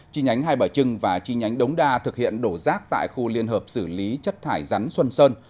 chi nhánh hai bả trưng và chi nhánh đống đa thực hiện đổ rác tại khu liên hợp xử lý chất thải rắn xuân sơn